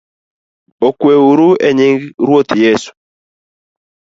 Okweuru enying Ruoth Yesu